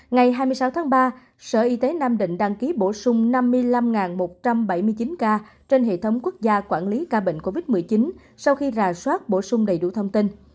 ngày hai mươi sáu tháng ba sở y tế nam định đăng ký bổ sung năm mươi năm một trăm bảy mươi chín ca trên hệ thống quốc gia quản lý ca bệnh covid một mươi chín sau khi rà soát bổ sung đầy đủ thông tin